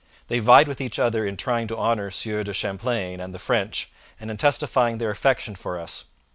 'They vied with each other in trying to honour Sieur de Champlain and the French, and in testifying their affection for us.